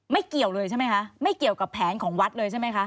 เกี่ยวเลยใช่ไหมคะไม่เกี่ยวกับแผนของวัดเลยใช่ไหมคะ